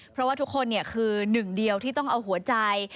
เพราะว่าทุกคนคือหนึ่งเดียวที่ต้องเอาหัวใจ